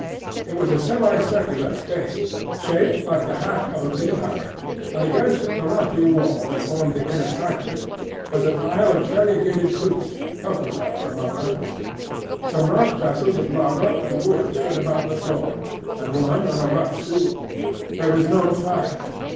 It was a semi circular space, shaped like the half of a bee hive; and against the rocky wall that formed the inner side of it was a pile of variegated fruits, cocoa nuts among others. Some rough vessels of lava and wood stood about the floor, and one on a rough stool. There was no fire.